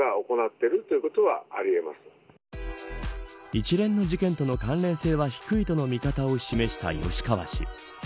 一連の事件との関連性は低いとの見方を示した吉川氏。